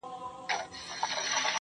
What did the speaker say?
زما دا شاعري یاره د تا له پاره نه ده څه